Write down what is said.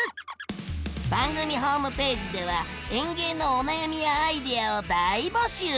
番組ホームページでは園芸のお悩みやアイデアを大募集！